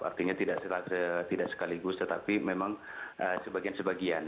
artinya tidak sekaligus tetapi memang sebagian sebagian